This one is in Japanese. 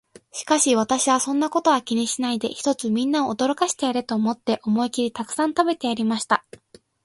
しかし私は、そんなことは気にしないで、ひとつみんなを驚かしてやれと思って、思いきりたくさん食べてやりました。